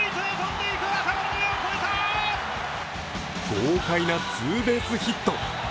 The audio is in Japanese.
豪快なツーベースヒット。